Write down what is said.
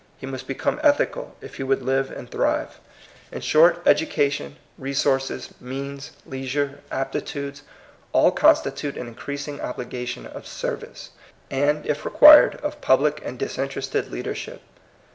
He must become ethical, if he would live and thrive. In short, educa 122 THE COMING PEOPLE. tion, resources, means, leisure, aptitudes, — all constitute an increasing obligation of service, and, if required, of public and disinterested leadership.